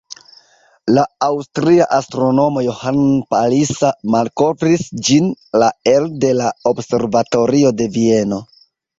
La aŭstria astronomo Johann Palisa malkovris ĝin la elde la observatorio de Vieno.